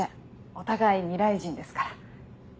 お互い未来人ですから。